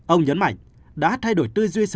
ông nhấn mạnh đã thay đổi tư duy sở